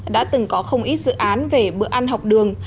đã từng có không ít dự án về bữa ăn học đường